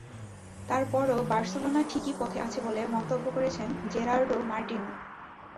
তার পরও বার্সেলোনা সঠিক পথেই আছে বলে মন্তব্য করেছেন জেরার্ডো মার্টিনো।